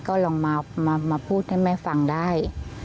ก็ลองมาพูดให้แม่ฟังได้